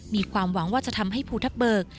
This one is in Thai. มีความหวังว่าจะทำให้ภูทับเบิก